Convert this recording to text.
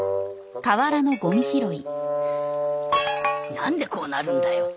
なんでこうなるんだよ。